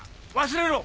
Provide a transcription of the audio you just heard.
忘れろ。